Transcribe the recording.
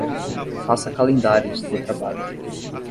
Faça calendários de trabalho.